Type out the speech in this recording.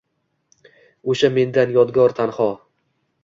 O’sha mendan yodgor tanho.